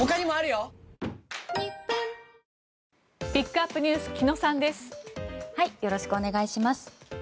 よろしくお願いします。